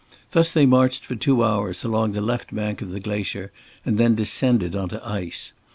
Thus they marched for two hours along the left bank of the glacier and then descended on to ice.